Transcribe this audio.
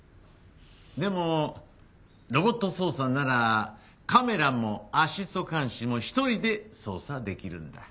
でもロボット操作ならカメラもアシスト鉗子も１人で操作できるんだ。